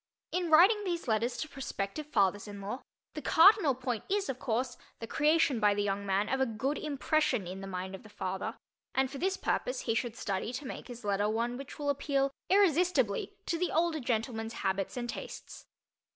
In writing these letters to prospective fathers in law, the cardinal point is, of course, the creation by the young man of a good impression in the mind of the father, and for this purpose he should study to make his letter one which will appeal irresistibly to the older gentleman's habits and tastes.